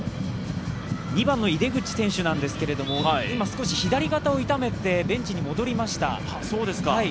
２番の井手口選手ですが今、少し左肩を痛めてベンチに戻りました。